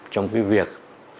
trong cái việc